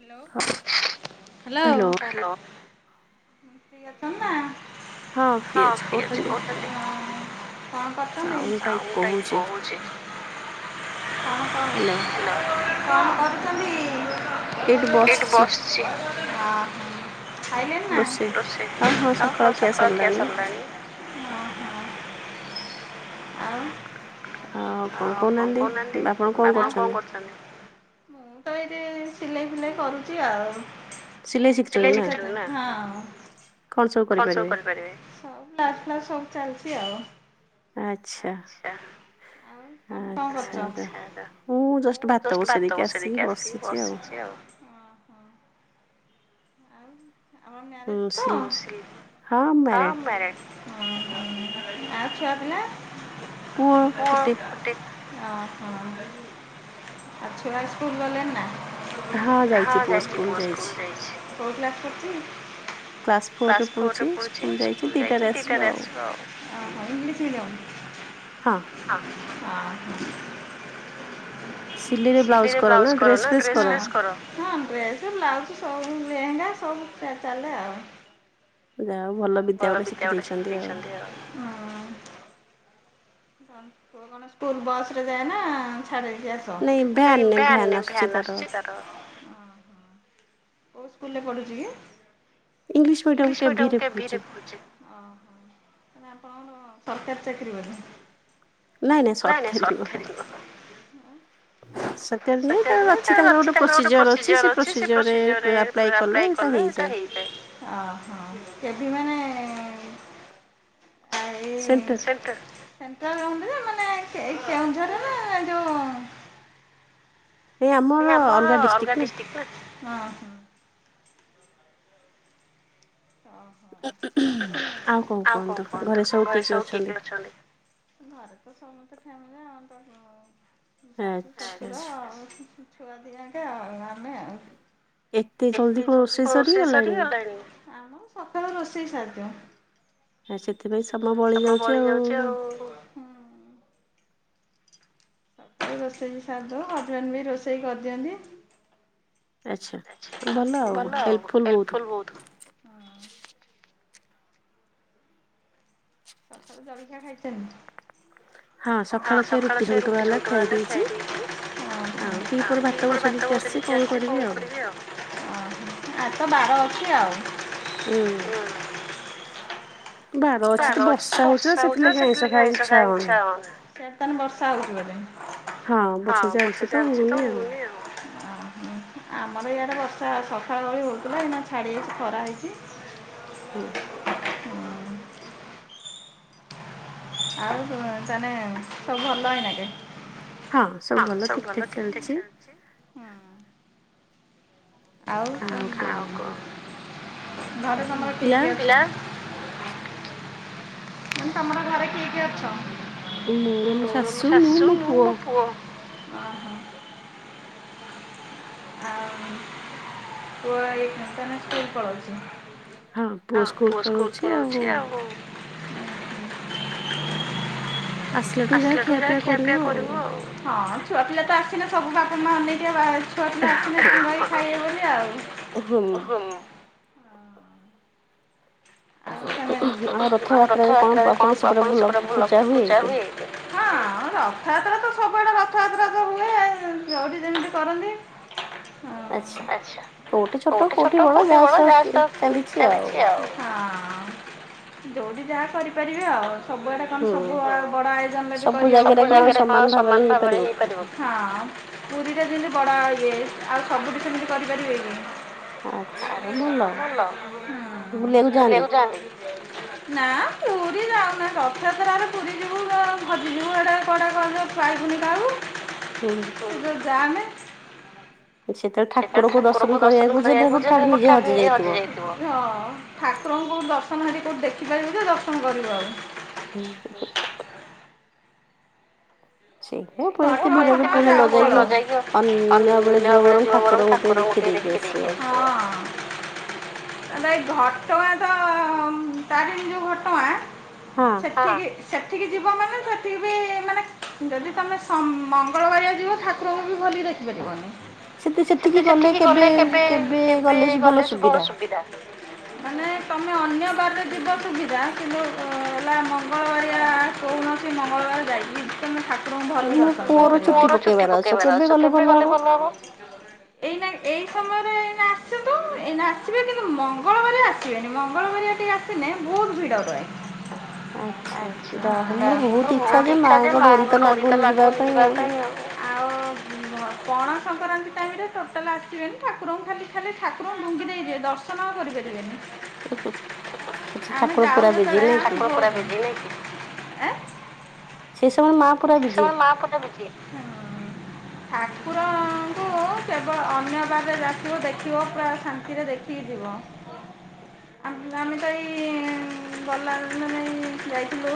ହାଲ hello free ଅଛନ୍ତି ନା। ହଁ ଫ୍ରି ଅଛି କହିଛନ୍ତି ହ କଣ କହୁଛନ୍ତି ସାଉଣ୍ଡ ଟା ଇକୋ ହଉଛି। ହ୍ୟାଲୋ। କଣ କରୁଛନ୍ତି। ଏଠୁ ବସିଛି। ଖାଇଲେ ନା ରୋଷେଇ ଆଉ ହ ସକାଳ ଖିଆ ସାରିଲାଣି ଆଉ ହ କଣ କହୁନାହାନ୍ତି ବାପା କଣ କରୁଛନ୍ତି? ତ ଏଇଠି ସିଲେଇ ଫିଲେଇ କରୁଛି ଆଉ। ସିଲେଇ [unintelligible] ହଁ। କଣ ସବୁ କରିପାରିବେ ବାଲାଉଜ ଫ୍ଲାଉଜ ସବୁ ଚାଲିଛି ଆଉ। ଆଛା ଆଉ ତମେ କଣ କରୁଛ ଛାଡ଼। ମୁଁ ଜଷ୍ଟ ଭାତ ବସେଇ ଦେଇକି ଆସିିଛି ବସିଚୀ ଆଉ। ଅହୋ ଆଉ ତମେ ମେରେଜ ତ ହଁ ଆମ ମେରେଜ। ଅହ ଆଉ ଛୁଆ ପିଲା। ପୁଅ ଗୋଟେ। ଅହୋ ଆଉ ଛୁଆ ସ୍କୁଲ ଗଲେଣିନା। ହଁ ଯାଇଛି ପୁଅ ସ୍କୁଲ ଯାଇଛି। କୋଉ କ୍ଲାସ ପଡୁଚି। କ୍ଲାସ ଫୋରରେ ପଡ଼ୁଛି। ସ୍କୁଲ ଯାଇଚି ଦିଇଟା ରେ ଆସିବ ଆଉ। ଅହଁ ଇଂଲିସ୍‌ ମିଡ଼ିଅମ୍। ହଁ। ଅହଁ। ସିଲେଇରେ ବ୍ଲାଉଜ କର ନା ଡ୍ରେସ ହଁ ଫ୍ରେସ୍ ଡ୍ରେସ କର ହଁ ଡ୍ରେସ ବ୍ଲାଉଜ ସବୁ। ଆଉ ଲେହେଙ୍ଗା ସବୁ ଚା ଚାଲେ ଆଉ। ଯାହା ହଉ ଭଲ ବିିଦ୍ଯା ଗୋଟେ ସିଖିଦେଇଚନ୍ତି ଆଉ। ହୁଁ। ପୁଅ କଣ ସ୍କୁଲ ବସ ରେ ଯାଏ ନା ଛାରିକି ଆସ ନାଇଁ ଭ୍ୟାନରେ ଭ୍ୟାନ ଆସୁଛି ତାର। କୋଉ ସ୍କୁଲ ରେ ପଢୁଚି କି? ଇଂଲିଶ ମିଡିଅମ କେଭିରେ ପଡୁଛି ଅହଁ। ଆମ ହଁ ହଁ ସରକାରୀ ଚାକିରି ବଧେ? ନାଇ ନାଇଁ ସରଠାରୀ ଯିବ ଉଁ। ସେକେଣ୍ଡରେ ତାର ଅଛି ତାଙ୍କର ଗୋଟେ ପ୍ରୋସିଜିଅର ଅଛି। ସେ ପ୍ରୋସି ପ୍ରୋସିଜିଅର ରେ ଆପ୍ଲାଇ କଲେ ଏଇଟା ହେଇଥାଏ। ଅହଁ କେଭିି ମାନେ ଆ ଏଇ ସେଣ୍ଟର। ସେନ୍‌ଟ୍ରାଲ ଗମେଣ୍ଟ ମାନେ କେଉଁଝରରେ ନା ଏଇ ଯୋଉ ଏ ଆମର ଅଲଗା ଡିଷ୍ଟ୍ରିକ୍ଟ ନା ଅହଁ। ଓହୋ ଆଉ କଣ କୁହନ୍ତୁ ଘରେ ସବୁ କିଏ କିଏ ଅଛନ୍ତି। ଘରେ ତ ସମସ୍ତେ ଫ୍ୟାମିଲି ଆମ ତ ଶାଶୁ ଆଛା ଶଶୁର ଆଉ। ଛୁଆ ଦିହାଙ୍କେ ଆଉ ଆମେ ଆଉ। ଏତେ ଜଲଦି କଣ ରୋଷେଇ ସରିଗଲାଣି। ସକାଳୁ ରୋଷେଇ ସାରିଦଉଁ। ସେଥିପାଇଁ ସମୟ ବଳି ଯାଉଛି ଆଉ ହୁଁ। ରୋଷେଇ ବି ସାରିଦେବ ହଜବେଣ୍ଡ ବି ରୋଷେଇ କରିଦିଅନ୍ତି। ଆଚ୍ଛା ଭଲ ଆଉ ହେଲ୍ପଫୁଲ୍ ବହୁତ। ସକାଳୁ ଜଳଖିଆ ଖାଇଚନ୍ତି। ହଁ ସକାଳ ସେ ରୁଟି ସନ୍ତୁଳା ହେଲେ ଖାଇଦେଇକି ଉଁହୁଁ। ଆଁ ଫୁଣି ଭାତ ବସେଇ ପଚାରିଚି କଣ କରିବି ଆଉ। ଅହଁ ଆଜିତ ବାର ଅଛି ଆଉ। ହୁଁ। ବାର ଅଛି ବର୍ଷା ହଉଛି ସେଥି ଲାଗି ଆଇଁଷ ଖାଇବାକୁ ଇଛା ହଉନି। ସେଆଡେ ତାହାନେ ବର୍ଷା ହଉଛି ବୋଧେ? ହଁ ବର୍ଷା ଚାଲଛି ତ ହଉନି ଆଉ। ଅହଁ ଆମ ଆମର ଇଆଡ଼ ବର୍ଷା ସକାଳ ଓଳି ହୋଉଥିଲା। ଏଇନା ଛାଡ଼ିଯାଇଛି ଖରା ହେଇଚି। ହୁଁ। ଆଉ ଉଁ ତାନେ ସବୁ ଭଲ ଏଇନା କେ। ହଁ ସବୁ ଭଲ ଠିକ ଠାକ ଚାଲଚି। ହୁଁ। ଆଉ କ ଆଉ କ ଘରେ ତମର କିଏ କିଏ ଥିଲା। ମାନେ ତମର ଘରେ କିଏ କିଏ ଅଛ। ମୋର ମୋ ଶାଶୁ ମୁଁ ମୋ ପୁଅ। ଅହଁ। ଆଉ ପୁଅଏଇନା ତାନେ ସ୍କୁଲ ପଳଉଚି। ହଁ ପୁଅ ସ୍କୁଲ ପଳଉଛି ଆଉ ଆସିଲାଠୁ ଯାହା ଖିଆପିଆ କରିବୁ ଆଉ। ହଁ ଛୁଆ ପିଲା ତ ଆସିଲେ ସବୁ ବାପା ମା ଅନେଇ ଥିବେ। [unintelligible] ଛୁଆ ପିଲା ଆସିଲେ ସାଙ୍ଗ ହେଇକି ଖାଇବେ ବୋଲି ଆଉ। ହଁ। ଆଉ ଆଉ ରଥଯାତ୍ରାରେ କଣ ଆପଣ ସେପଟେ ଭଲ ପୂଜା ହୁଏ? ହଁ ରଥଯାତ୍ରା ତ ସବୁଆଡେ ରଥଯାତ୍ରା ତ ହୁଏ ଯୋଉଠି ଯେମିତି କରନ୍ତି। ହୁଁ ଆଚ୍ଛା କୋଉଠି ଛୋଟ କୋଉଠି ବଡ ଯାହା ଚାଲିଛି ଆଉ ହଁ ଯୋଉଠି ଯାହା କରିପାରିବେ ଆଉ ସବୁଆଡେ କଣ ସବୁ ବଡ ଆୟୋଜନ ରେ ବି କରି ହବନି। ସବୁ ଜାଗାରେ କଣ ସମାନ ଭାବରେ ହେଇପାରିବ? ହଁ ପୁରୀଟା ଯେମିତି ବଡ ଇଏ ଆଉ ସବୁଠି ସେମିତି କରିପାରିବେ କି? ଆଚ୍ଛା ଭଲ। ବୁଲି ବୁଲିବାକୁ ଯାଆନ୍ତି। ନା। [unintelligible] ପୁରୀ ଯାଉନା ରଥଯାତ୍ରା ରେ ପୁରୀ ଯିବୁ ହଜିଯିବୁ। ଏଇଡ଼ା କୁଆଡେ ପାଇବୁନି କାହାକୁ। ଯୋଉ ଜାମେ ସେତେବେଳେ ଠାକୁରଙ୍କୁ ଦର୍ଶନ କରିବାକୁ ଯେ ହଜି ଯାଇଥିବ। ହଁ ଠାକୁରଙ୍କୁ ଦ ଦର୍ଶନ ଧାରି କେଉଁଠି ଦେଖିପାରିବୁ ଯେ ଦର୍ଶନ କରିବ ଆଉ। [inaudible] [unintelligible] ଅନ୍ୟ ବେଳେ ଯିବ ବରଂ ଠାକୁର ଙ୍କୁ ଟି ହଁ। ଏଇ ଘଟଗାଁ ତ ତାରିଣୀ ଯୋଉ ଘଟଗାଁ ସେଠିକି ସେଠି ସେଠିକି ଯିବ ମାନେ ସେଠିକି ବି ମାନେ ଯଦି ତମେ ମଙ୍ଗଳବାରିଆ ଯିବ ଠାକୁରଙ୍କୁ ବି ଭଲିକି ଦେଖିପାରିବନି। [unintelligible] ସେ ସେଠିକି ଗଲେ କେବେ କେବେ ଗଲେ ସୁବିଧା ମାନେ ତମେ ଅନ୍ୟ ବାରରେ ଯିବ ସୁବିଧା। କିନ୍ତୁ ହେଲା ମଙ୍ଗଳବାରିଆ କୌଣସି ମଙ୍ଗଳବାର ଯାଇକି ତମେ ଠାକୁରଙ୍କୁ ଭଲ ପୁଅର ଚୁଟି ପକେଇବାର ଅଛି। କେବେ ଗଲେ ଭଲ ହବ? ଏଇନା ଏଇ ସମୟରେ ଏଇ ଆସନ୍ତୁ। ଏଇନା ଆସିବେ କିନ୍ତୁ ମଙ୍ଗଳବାରେ ଆସିବେନି। ମଙ୍ଗଳବାରିଆ ଟିକେ ଆସିଲେ ବହୁତ ଭିଡ ରହେ। ଆଛା। ମର ବହୁତ ଇଛା ଯେ ମା ଙ୍କ ଡୋରି ତ ଲାଗ ଯିବା ପାଇଁ ଆଉ। ଆଉ ହଁ ପଣାସଂକ୍ରାନ୍ତି ଟାଇମରେ ଟୋଟାଲ ଆସିବେନି ଠାକୁରଙ୍କୁ ଖାଲି ଖାଲି ଠାକୁର ଙ୍କୁ ଡୁଙ୍ଗି ଦେଇଯିବେ। ଦର୍ଶନ କରିପାରିବେନି। ଆମେ ଯାଉ ଯେତେବେଳେ। [unintelligible] ସେ ସମୟ ରେ ମା ତମର ମା ପଟ [unintelligible] ଠାକୁର ଙ୍କୁ ତ କେବଳ ଅନ୍ୟ ବାରରେ ଆସିବ ଦେଖିବ ପୁରା ଶାନ୍ତିରେ ଦେଖିକି ଯିବ। ଆ ଆମେ ତ ଏଇ ଗଲା ମାନ ଯାଇଥିଲୁ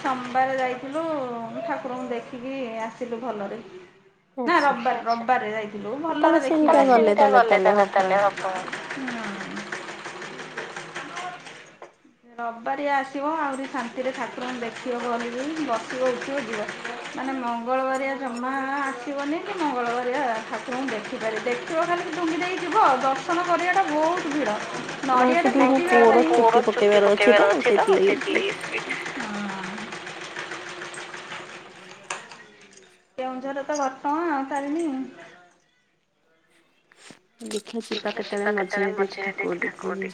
ସୋମବାରେ ଯାଇଥିଲୁ ଠାକୁରଙ୍କୁ ଦେଖିକି ଆସିଲୁ ଭଲରେ। [inaudible] ରବବାରେ ରବିବାରେ ଯାଇଥିଲୁ ଭଲରେ ଦେଖିକି, ଚିନ୍ତା କଲେ ତାହେଲେ ତାହେଲେ ରବ। [inaudible] ରବିବାରିଆ ଆସିବ ଆହୁରି ଶାନ୍ତି ରେ ଠାକୁରଙ୍କୁ ଦେଖିବ ଭଲିକି ବସିବ ଉଠିବ ମାନେ ମଙ୍ଗଳବାରିଆ ଜମା ଆସିବନି କି ମଙ୍ଗଳବାରିଆ ଠାକୁରଙ୍କୁ ଦେଖିପାରି ଦେଖିବ ଖାଲି ଡୁଙ୍ଗି ଦେଇକି ଯିବ ଦର୍ଶନ କରିବା ଟା ବ ବହୁତ୍ ଭିଡ଼। ନଡ଼ିଆ ଟେ ବିକିବା ପାଇଁ, ମୋ ପୁଅର ଚୁଟି ପକେଇବାର ଅଛି ତ ସେଇଥିଲାଗି। ହଁ। କେଉଁଝର ରେ ତ ଘଟଗାଁ ତାରିଣୀ। ହ ଦେଖିବା ଯିବା କେତେବେଳେ ମଝିରେ ଦେକି ଠାକୁର ଦେଖିକି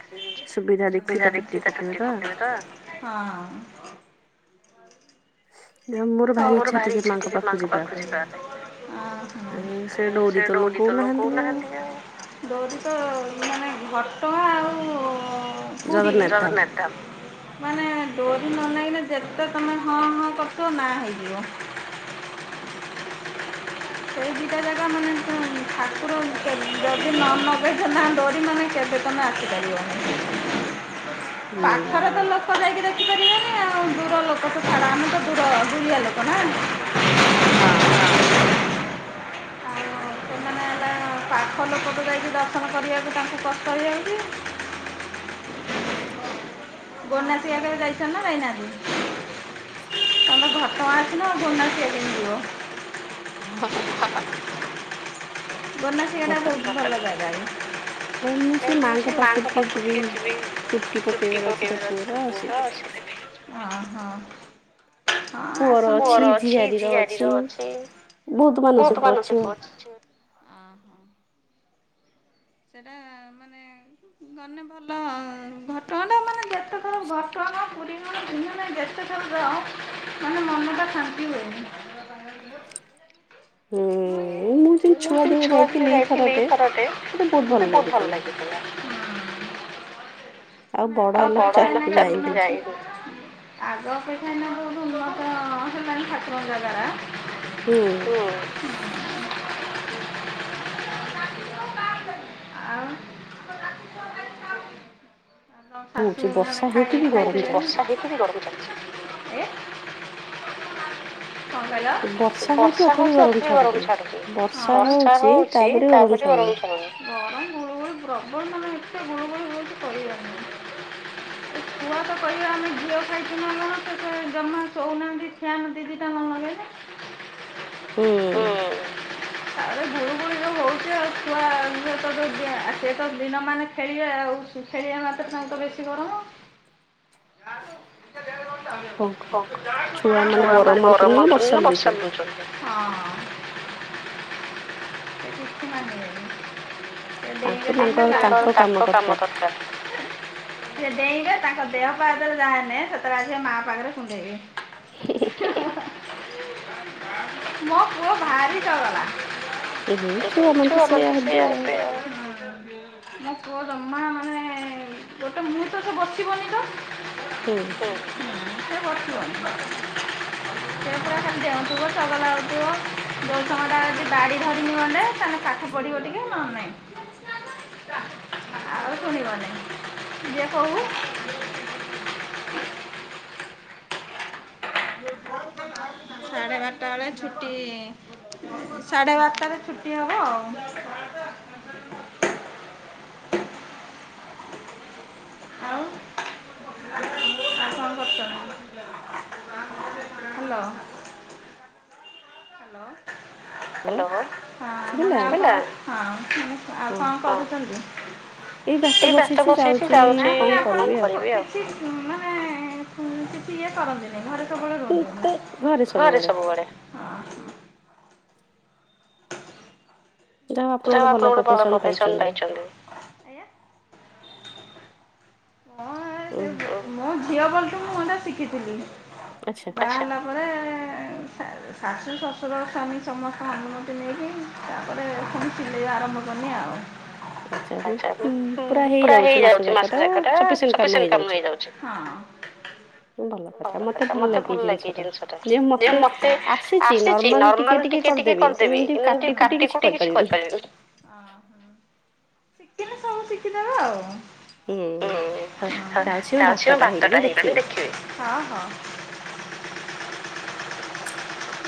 ସୁବିଧା ଦେଖି ତା ଚୁଟି ପକେଇବେ ତ ା ହଁ ମୋର ଭାରି ଇଚଛା ଟିକେ ମାଙ୍କ ପାଖକୁ ଯିବା ପାଇଁ ସେ ଡ ତ ଲ କଉନାହାନ୍ତି ଆଉ ତାନେ ଘଟଆ ଆଉ ପୁରୀ ମାନେ ଦୋଦ ନ ଲାଗିଲେ ଯେତେ ତମେ ହଁ ହଁ କତ ନା ଖାଇ ବିଓ ସେଇ ଦିଟା ଜାଗା ମାନେ ଠାକୁର ଯଦି ନ ନବେ ଡରି ମାନେ କେବେ ତମେ ଆସିପାରିବନି ପାଖରେ ତ ଲୋକ ଯାଇକି ଦେଖିପାରିବ ଆଉ ଦୂର ଲୋକକୁ ଛାଡ଼ା ଆମେ ତ ଦୂର ବୁଡ଼ିଆ ଲୋକ ନା ହଁ ପାଖ ଲୋକଠୁ ଯାଇକି ଦର୍ଶନ କରିବାକୁ ତାଙ୍କୁ କଷ୍ଟ ହେଯାଉଛି ଗନାସ ଆଗରେ ଯାଇଛ ନା ରାଇନା ତମର ଘଟଣାଁ ଅଛି ନା ଭୁବନାେଶିରି ରଅ ହ ବନା ସେଟା ବହୁତ ଭଲ ଜାଗାଣି ଏଛି ମାଙ୍କ ପା ଚୁଟକି ିବି ଚୁଟକିିବ ପଜା ଆସ ହଁ ହଁ ହଁ ଆସୁ ମୋର ଅଛି ଝିଆରୀ ର ଅଛି ହ ବହୁତ ଭାନୁ ସେ ବହୁତ ସେଟା ମାନେ ଗଲେେ ଭଲ ଘଟଣା ଟା ମାନେ ଯେତେ ଥର ଘଟଣା ଆ ପୁରୀ ମ ପମାନେ ଗସ୍ତ ଖବ ମାନେ ମନଟା ଶାନ୍ତି ହୁଏନି ଆଲ ହୁଁ ମୁଁ ଯେ ଛୁଆ ଦିନେ ଯାଇଥିଲି ଏଇ ଥରଟେ ମତେ ବହୁତ ଭଲ ଲାଗିଥିଲା ଆଉ କଣ ହେଲେ ଚା ଯାଇବଗ ମୁ ଆସ ଆସ ଖାତ ଜାଗାର ହୁଁ ଆଉ ଆ ଶାଶୁ ମ ଖାଇ ବଷା ଦେ ଖୁବ ଗର୍ବ ପାଛି ଏଁ ବର୍ଷା ହଉଛି ଅତି ଗରମ ଛାଡୁଛି ବର୍ଷା ହଉଛି ତାପରେ ଗରମ ଗୁଳୁଗୁଳ ବବର ମାନେ ଏତେ ଗୁଳୁଗୁଳ ହେଉଛି ପଡିଯାଉନି କୁଆ ତ କହିବା ଆମେ ଝିଅ ଖାଇଥିଲୁ ନ ଲଣ ତ ଜମା ଶୋଉନାହାନ୍ତି ଛିଆ ନାହାନ୍ତି ଦିଟା ଲଣ ଲଗେଇଲେ ହଁ ଓ ତାହରେ ଭରୁ ବ ହଉଛି ଆଉ ଖୁଆ ସେ ତ ଦିନ ମାନେ ଖେଳିବା ଆଉ ଖେଳିବା ମାତ ପାଇଁହି ତ ବେଶୀ ଗରମ ଯାରୁ ନି ଦେବ ଛୁଆମାନୋନ ଗର ମୁଛନ୍ତି ନା ବର୍ଷା ବୁଛନ୍ତି ସେ ଦଷ୍ ମି ତାଙ୍କ କାମ ଦରକାରଙ୍କ ଦେହ ପାହାଦରେ ଯାହା ନ ସତରାଜ ମହା ପାଘରେ କୁଣ୍ଡେଇବି ମୋ ପୁଅ ଭାରି ଚଗଲା ଏଛୁ ଆମ ତ ସେଇୟା ମୋ ପୁଅ ଜମା ମାନେ ଗୋଟେ ମୁହର୍ତ୍ତ ସେ ବସିବନି ତ ଓ ସେ ପୁରା ଖାଲି ଦେଉଥିବ ଶଗ ଲାଗଉଥିବ ଯୋଉ ସମଙ୍ଗା ଯଦି ବାଡି ଧରି ନିଅନ୍ତେ ତାେଲେ ପାଠ ପଢିବ ଟିକେ ନ ହେଲେ ନାହିଁ। ଆଉ ଶୁଣିବ ନେଇ ଯିଏ କହୁ [inaudible] ସାଢ଼େ ବାରଟା ବେଳେ ଛୁଟି ସାଢ଼େ ବାରଟାରେ ଛୁଟି ହବ ଆଉ। [inaudible] ଆଉ କଣ କରୁଥିଲେ? ହାଲୋ। ହ୍ୟାଲୋ। ହାଲୋ। ମୁ କହିଲି ଆଉ କଣ ଶୁଭିଲା? ଆଉ କଣ କରୁଛନ୍ତି? ଏଇ ଭାତ ବସେଇଛି ଯାଉଚି କଣ କରିବି ଆଉ। ହୁଁ ପି ପିଏ କରନ୍ତି ନେଇ ଘରେ। ଘରେ ସବୁବେଳେ। ଯାହା ଆପଣ ଗୋଟେ ଭଲ ପ୍ରଫେସନ୍ ପାଇଛନ୍ତି। ଆଁ ଏଁ ସେ ମୋ ଝିଅ ବେଳୁ ତ ମୁଁ ମଣ୍ଡା ଶିଖିଥିଲି। ବାହା ହେଲା ପରେ ଛା ଶାଶୁ ଶ୍ୱଶୁର ସ୍ଵାମୀ ସମସ୍ତ ଅନୁମତି ନେଇକି ତାପରେ ପୁଣି ସିଲେଇବା ଆରମ୍ଭ କନି। ଆଉ ଆଛା ପୁରା ହେଇଯାଉଛି ମାସ ଜାକ? ସପିସେଣ୍ଟ କାମ ମିଳିଯାଉଛି। ଭଲ କଥା ମତେ ଭଲ ଲାଗେ ଜିନିଷ ଟା ଯେ ମତେ ଆସିଛି ନର୍ମାଲ ଟିକେ ଟିକେ କରିଦେବି କିନ୍ତୁ ଏମିତି କାଟି କୁଟି କିଛି କରିପାରିବିନି। ଆ ଶିଖିଲେ ସବୁ ଶିଖିଦବା ଆଉ ଉଁ ହଁ ଯାଉଚି ହଁ ଭାତଟା ହେଇଗଲେ ଦେଖିବେ। ହ [inaudible] ସଛ [inaudible]